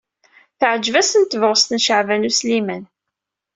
Teɛjeb-asen tebɣest n Caɛban U Sliman.